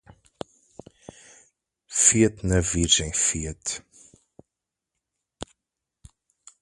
Fia-te na Virgem, fia-te.